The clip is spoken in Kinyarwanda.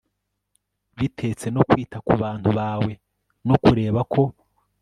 bitetse no kwita ku bantu bawe no kureba ko